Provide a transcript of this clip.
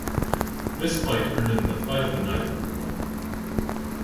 This fight earned him the Fight of the Night award.